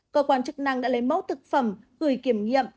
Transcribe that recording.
cơ quan chức năng đã lấy mẫu thực phẩm gửi kiểm nghiệm